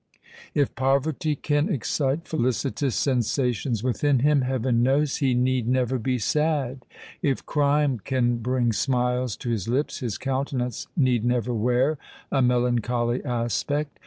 If poverty can excite felicitous sensations within him, heaven knows he need never be sad. If crime can bring smiles to his lips, his countenance need never wear a melancholy aspect.